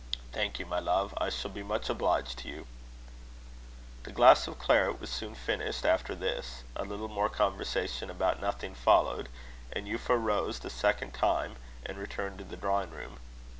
"Thank you, my love; I shall be much obliged to you." The glass of claret was soon finished after this. A little more conversation about nothing followed, and Euphra rose the second time, and returned to the drawing room.